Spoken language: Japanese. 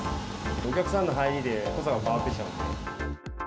お客さんの入りで濃さが変わってきちゃうので。